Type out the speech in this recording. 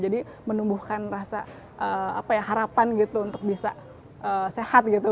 jadi menumbuhkan rasa harapan gitu untuk bisa sehat gitu